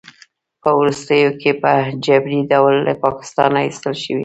په وروستیو کې په جبري ډول له پاکستانه ایستل شوی